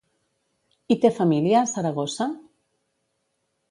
Hi té família a Saragossa?